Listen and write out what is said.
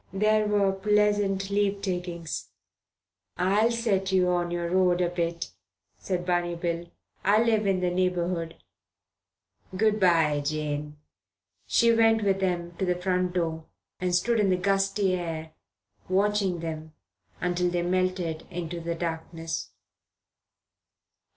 There were pleasant leave takings. "I'll set you on your road a bit," said Barney Bill. "I live in the neighbourhood. Good bye, Jane." She went with them to the front door, and stood in the gusty air watching them until they melted into the darkness.